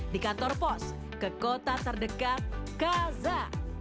di kantor pos ke kota terdekat gaza